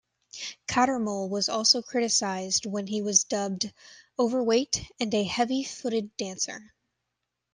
Cattermole was also criticised when he was dubbed overweight and a "heavy-footed dancer".